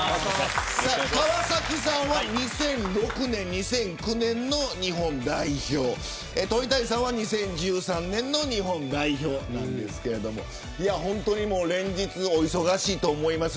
川崎さんは２００６年と２００９年の日本代表で鳥谷さんは２０１３年の日本代表なんですが連日お忙しいと思います。